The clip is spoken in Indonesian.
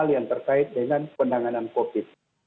hal yang terkait dengan penanganan covid